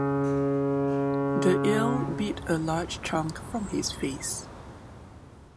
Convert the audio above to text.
The eel bit a large chunk from his face.